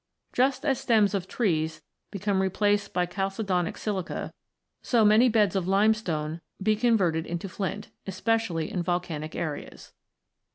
Just as stems of trees become replaced by chalcedonic silica, so may beds of limestone be converted into flint, especially in volcanic areas.